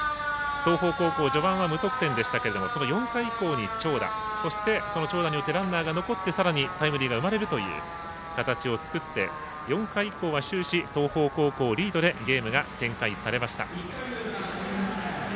東邦高校、序盤は無得点でしたが４回以降に長打、そしてその長打によってランナーが残ってさらにタイムリーが生まれるという形を作って４回以降は終始東邦高校リードでゲームが展開されました。